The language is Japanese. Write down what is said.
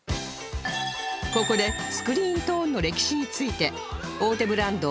ここでスクリーントーンの歴史について大手ブランド